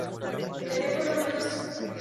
Tenía por lo menos dos hermanas y dos hermanos.